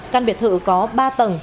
căn biệt thự có ba tầng